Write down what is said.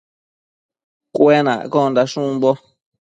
Cuenaccondash umbo